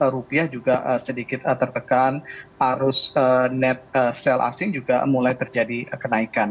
rupiah juga sedikit tertekan arus net sale asing juga mulai terjadi kenaikan